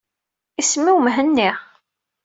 Isem-iw Mhenni.